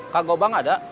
kak gopal nggak ada